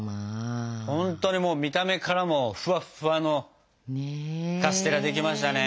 ほんとにもう見た目からもフワッフワのカステラできましたね。